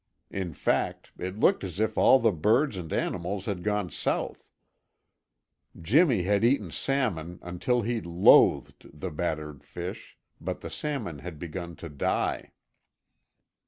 In fact, it looked as if all the birds and animals had gone south. Jimmy had eaten salmon until he loathed the battered fish, but the salmon had begun to die.